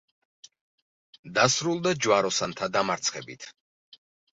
დასრულდა ჯვაროსანთა დამარცხებით.